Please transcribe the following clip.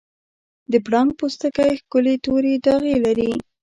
د پړانګ پوستکی ښکلي تورې داغې لري.